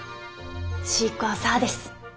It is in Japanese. シークワーサーです。